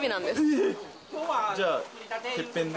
えー？じゃあ、てっぺんで。